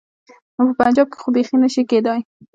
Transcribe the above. نو په پنجاب کې خو بيخي نه شي کېدای.